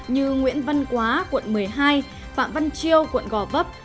như nguyễn văn quá quận một mươi hai phạm văn chiêu quận gò vấp